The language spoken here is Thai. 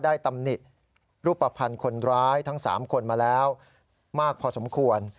ตำหนิรูปภัณฑ์คนร้ายทั้ง๓คนมาแล้วมากพอสมควร